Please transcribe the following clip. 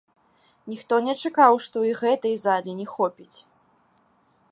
Ніхто не чакаў, што і гэтай залі не хопіць!